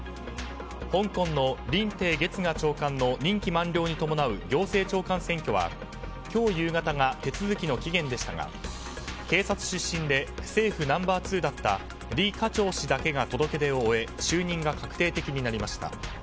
香港のリンテイ・ゲツガ長官の任期満了に伴う行政長官選挙は今日夕方が手続きの期限でしたが警察出身で政府ナンバー２だったリ・カチョウ氏だけが届け出を終え就任が確定的になりました。